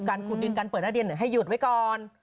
ขุดดินการเปิดหน้าดินให้หยุดไว้ก่อน